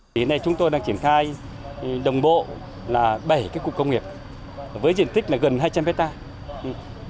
đến nay chúng tôi đang triển khai đồng bộ là bảy cụm công nghiệp với diện tích gần hai trăm linh hectare